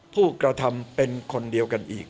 ผู้กระทำเป็นคนเดียวกันอีก